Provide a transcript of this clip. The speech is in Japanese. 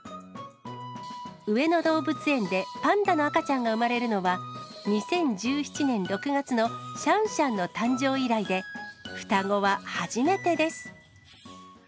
上野動物園でパンダの赤ちゃんが産まれるのは、２０１７年６月のシャンシャンの誕生以来で、双子は初めてです。